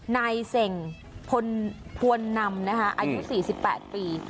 นายเสงพลนำนะคะอายุ๔๘ปี